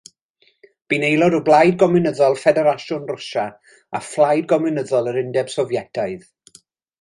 Bu'n aelod o Blaid Gomiwnyddol Ffederasiwn Rwsia a Phlaid Gomiwnyddol yr Undeb Sofietaidd.